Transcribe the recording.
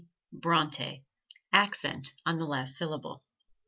Bronte, accent on the last syllable.